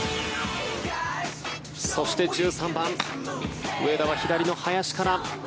そして、１３番上田は左の林から。